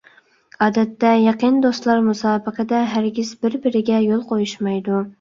ئادەتتە يېقىن دوستلار مۇسابىقىدە ھەرگىز بىر-بىرىگە يول قويۇشمايدۇ.